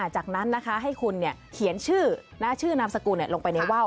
จากนั้นให้คุณเขียนชื่อหน้าชื่อนามสกุลลงไปในว่าว